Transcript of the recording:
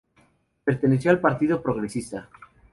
Perteneció al Partido Progresista.